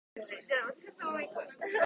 ねえねえ。